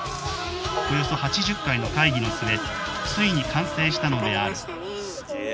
およそ８０回の会議の末ついに完成したのであるかかりましたねえ。